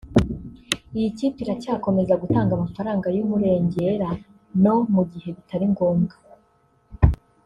iyi kipe iracyakomeza gutanga amafaranga y’umurengera no mu gihe bitari ngombwa